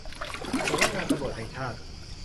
สำนักงานตำรวจแห่งชาติ